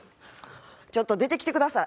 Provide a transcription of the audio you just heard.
ちょっと出てきてください。